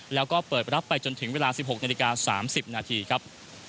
แล้วก็เปิดรับไปจนถึงเวลา๑๖นาฬิกา๓๐นาทีครับ